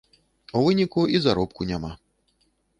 У выніку і заробку няма.